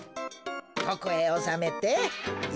ここへおさめてよしと。